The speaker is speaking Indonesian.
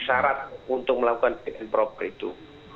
syarat untuk melakukan fit and proper itu